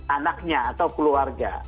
anaknya atau keluarga